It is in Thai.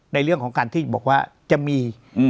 ในเรื่องของการที่บอกว่าจะมี